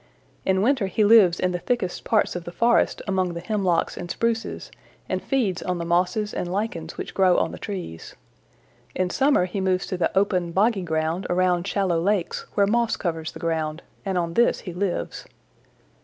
In winter he lives in the thickest parts of the forest among the hemlocks and spruces, and feeds on the mosses and lichens which grow on the trees. In summer he moves to the open, boggy ground around shallow lakes where moss covers the ground, and on this he lives.